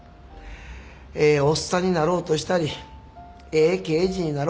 ええおっさんになろうとしたりええ刑事になろうとしたり。